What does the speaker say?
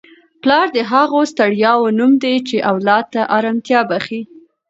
پلار د هغو ستړیاوو نوم دی چي اولاد ته ارامتیا بخښي.